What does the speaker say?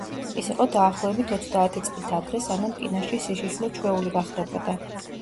ეს იყო დაახლოებით ოცდაათი წლით ადრე, სანამ კინოში სიშიშვლე ჩვეული გახდებოდა.